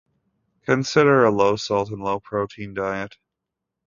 Consider a low-salt and low-protein diet.